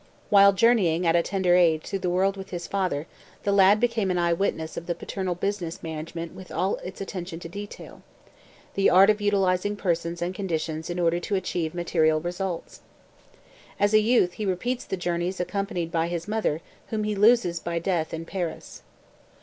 While journeying at a tender age through the world with his father the lad became an eye witness of the paternal business management with all its attention to detail; of the art of utilizing persons and conditions in order to achieve material results. As a youth he repeats the journeys accompanied by his mother whom he loses by death in Paris.